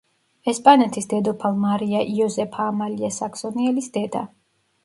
ესპანეთის დედოფალ მარია იოზეფა ამალია საქსონიელის დედა.